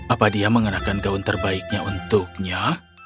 apa dia mengenakan gaun terbaiknya untuknya